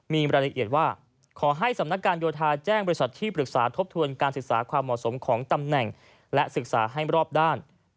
มีรายละเอียดว่า